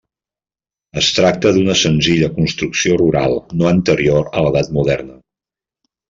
Es tracta d'una senzilla construcció rural, no anterior a l'edat moderna.